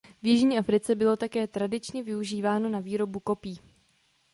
V Jižní Africe bylo také tradičně využíváno na výrobu kopí.